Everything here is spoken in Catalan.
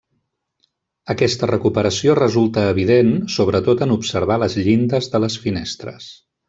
Aquesta recuperació resulta evident sobretot en observar les llindes de les finestres.